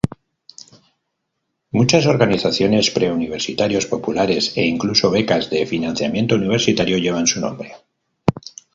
Muchas organizaciones, preuniversitarios populares e incluso becas de financiamiento universitario llevan su nombre.